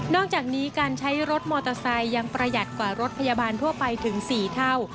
อกจากนี้การใช้รถมอเตอร์ไซค์ยังประหยัดกว่ารถพยาบาลทั่วไปถึง๔เท่า